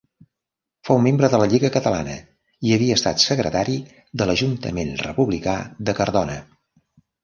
Fou membre de la Lliga Catalana i havia estat secretari de l'Ajuntament republicà de Cardona.